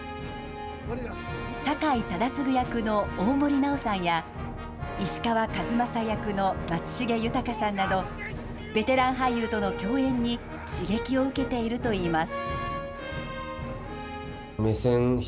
酒井忠次役の大森南朋さんや、石川数正役の松重豊さんなど、ベテラン俳優との共演に刺激を受けているといいます。